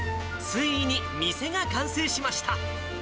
ついに店が完成しました。